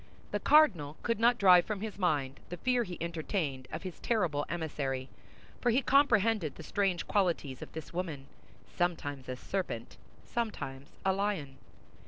The cardinal could not drive from his mind the fear he entertained of his terrible emissary—for he comprehended the strange qualities of this woman, sometimes a serpent, sometimes a lion.